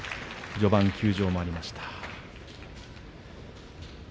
序盤、休場もありました。